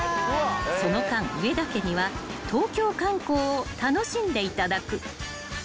［その間上田家には東京観光を楽しんでいただく］